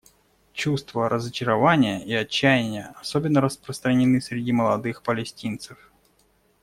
Чувства разочарования и отчаяния особенно распространены среди молодых палестинцев.